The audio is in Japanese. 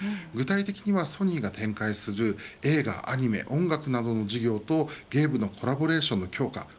具体的にはソニーが展開する映画、アニメ、音楽などの事業とゲームのコラボレーションの強化